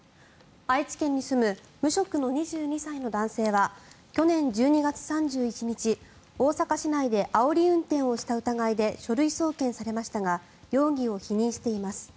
愛知県に住む無職の２２歳の男性は去年１２月３１日、大阪市内であおり運転をした疑いで書類送検されましたが容疑を否認しています。